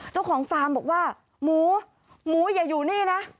ฟาร์มบอกว่าหมูหมูอย่าอยู่นี่นะ